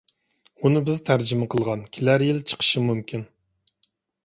ئۇنى بىز تەرجىمە قىلغان. كېلەر يىل چىقىشى مۇمكىن.